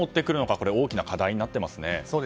これ大きな課題になっていますね。